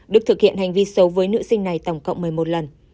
đức thực hiện hành vi xấu với nữ sinh này tổng cộng một mươi một lần